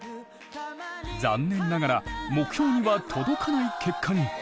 残念ながら目標には届かない結果に。